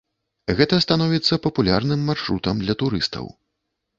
Гэта становіцца папулярным маршрутам для турыстаў.